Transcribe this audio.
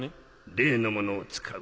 例のものを使う。